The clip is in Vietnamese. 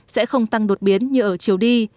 sẽ không tăng đột biến như ở chiều đi